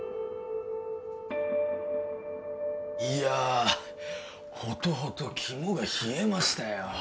いやほとほと肝が冷えましたよ